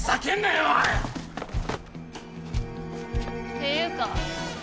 っていうか